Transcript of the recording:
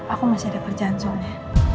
aku masih ada pekerjaan soalnya